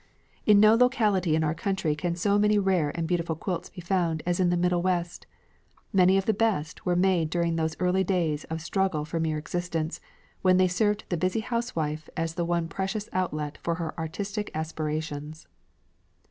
In no locality in our country can so many rare and beautiful quilts be found as in the Middle West. Many of the best were made during those early days of struggle for mere existence, when they served the busy housewife as the one precious outlet for her artistic aspirations.